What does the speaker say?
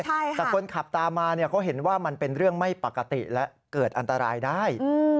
แต่คนขับตามมาเขาเห็นว่ามันเป็นเรื่องไม่ปกติและเกิดอันตรายได้